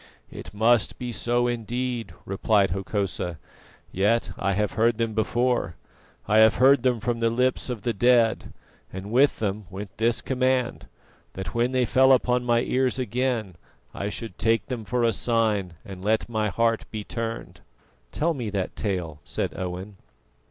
"It must be so, indeed," replied Hokosa. "Yet I have heard them before; I have heard them from the lips of the dead, and with them went this command: that when they fell upon my ears again I should 'take them for a sign, and let my heart be turned.'" "Tell me that tale," said Owen.